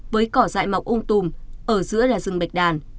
với cỏ dại mọc ung tùm ở giữa là rừng bạch đàn